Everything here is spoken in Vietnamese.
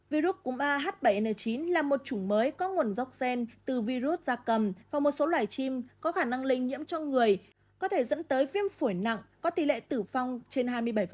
virus cúm ah bảy n chín là một chủng mới có nguồn gốc gen từ virus da cầm và một số loài chim có khả năng lây nhiễm trong người có thể dẫn tới viêm phổi nặng có tỷ lệ tử vong trên hai mươi bảy